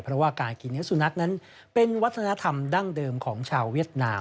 เพราะว่าการกินเนื้อสุนัขนั้นเป็นวัฒนธรรมดั้งเดิมของชาวเวียดนาม